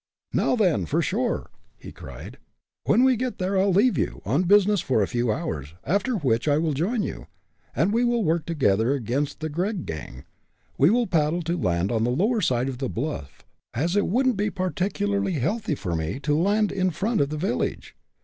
"Now, then, for shore," he cried. "When we get there, I will leave you, on business, for a few hours, after which I will join you, and we will work together against the Gregg gang. We will paddle to land on the lower side of the bluff, as it wouldn't be particularly healthy for me to land in front of the village.